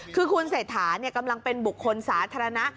คือคุณเศรษฐากำลังเป็นบุคคลสาธารณะ